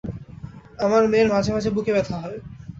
আমার মেয়ের মাঝে মাঝে বুকে ব্যথা হয়।